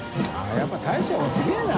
やっぱ大将もすげぇな。